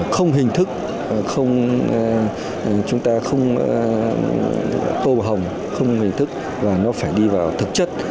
không hình thức chúng ta không tô hồng không hình thức và nó phải đi vào thực chất